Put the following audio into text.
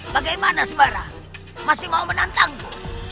bagaimana sembara masih mau menantangku